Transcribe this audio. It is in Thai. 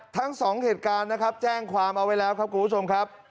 ทั้งสองเหตุการณ์นะครับแจ้งความเอาไว้แล้วครับคุณผู้ชมครับ